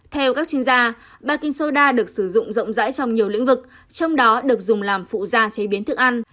theo các chuyên gia baking soda được sử dụng rộng rãi trong nhiều lĩnh vực trong đó được dùng làm phụ da chế biến thức ăn